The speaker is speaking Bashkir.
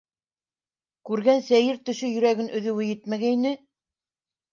Күргән сәйер төшө йөрәген өҙөүе етмәгәйне...